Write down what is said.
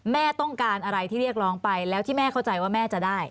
แม่ต้องการอะไรที่เรียกร้องไปแล้วที่แม่เข้าใจว่าแม่จะได้